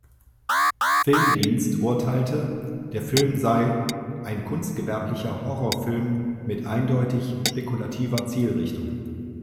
Film-dienst urteilte, der Film sei "„ein kunstgewerblicher Horrorfilm mit eindeutig spekulativer Zielrichtung“".